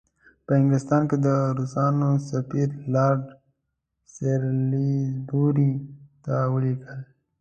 په انګلستان کې د روسانو سفیر لارډ سالیزبوري ته ولیکل.